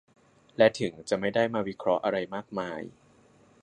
และถึงจะไม่ได้มาวิเคราะห์อะไรมากมาย